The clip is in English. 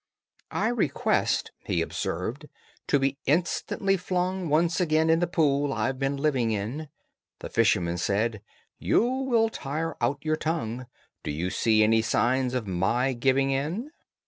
"I request," he observed, "to be instantly flung Once again in the pool I've been living in." The fisherman said, "You will tire out your tongue. Do you see any signs of my giving in?